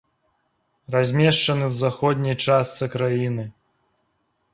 Размешчаны ў заходняй частцы краіны.